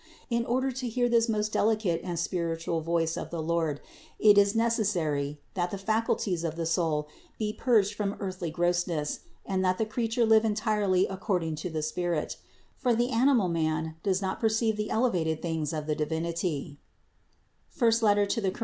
In order to hear this most delicate and spiritual voice of the Lord it is neces sary, that the faculties of the soul be purged from earthly grossness and that the creature live entirely according to the spirit ; for the animal man does not perceive the ele vated things of the Divinity (I Cor.